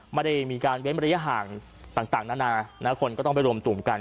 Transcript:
ไม่ได้มีการเว้นระยะห่างต่างนานาคนก็ต้องไปรวมตุ่มกัน